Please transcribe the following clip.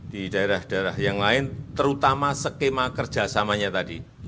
di daerah daerah yang lain terutama skema kerjasamanya tadi